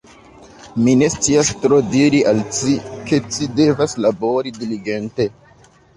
Mi ne scias tro diri al ci, ke ci devas labori diligente.